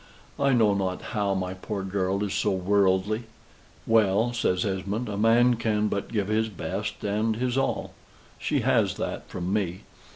I know not how my poor girl is so worldly." "Well," says Esmond, "a man can but give his best and his all. She has that from me.